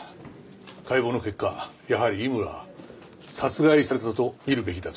解剖の結果やはり井村は殺害されたと見るべきだという事だ。